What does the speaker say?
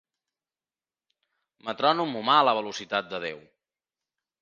Metrònom humà a la velocitat de Déu.